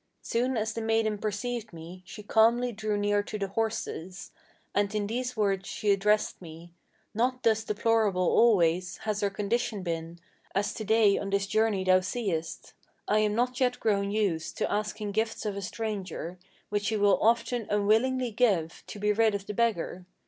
Soon as the maiden perceived me, she calmly drew near to the horses, And in these words she addressed me: 'Not thus deplorable always Has our condition been, as to day on this journey thou seest. I am not yet grown used to asking gifts of a stranger, Which he will often unwillingly give, to be rid of the beggar.